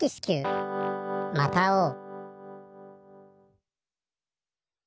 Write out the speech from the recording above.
また会おう。